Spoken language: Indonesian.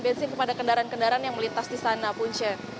bensin kepada kendaraan kendaraan yang melintas di sana punca